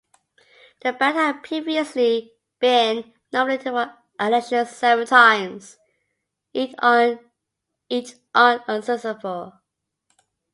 The band had previously been nominated for election seven times, each unsuccessful.